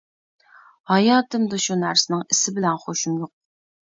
ھاياتىمدا شۇ نەرسىنىڭ ئىسى بىلەن خۇشۇم يوق.